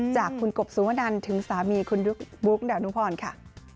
จากคุณกบสุวนันถึงสามีคุณบุ๊กดานุพรค่ะ